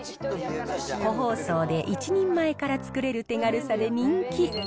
個包装で１人前から作れる手軽さで人気。